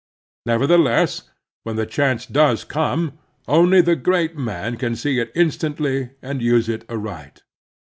Nevertheless, when the chance does come, only the great man can see it instantly and use it aright.